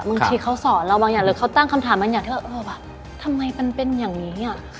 บางทีเขาสอนเราบางอย่างเลยเขาตั้งคำถามบรรยายเถอะเออแบบทำไมมันเป็นอย่างนี้